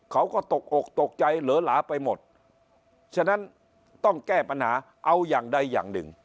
เขาก็ตกอกตกใจเหลือหลาไปหมดฉะนั้นต้องแก้ปัญหาเอาอย่างใดอย่างหนึ่ง